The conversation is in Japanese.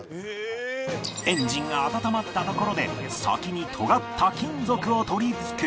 エンジンが温まったところで先にとがった金属を取り付け